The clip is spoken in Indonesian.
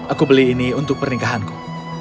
aku beli ini untuk pernikahanku